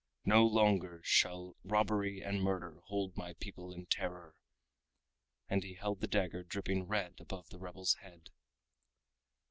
No longer shall robbery and murder hold my people in terror!" and he held the dagger dripping red above the rebel's head.